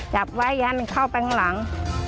จับไว้อย่าให้มันเข้าไปข้างหลัง